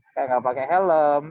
kayak tidak pakai helm